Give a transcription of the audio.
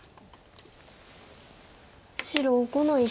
白５の一。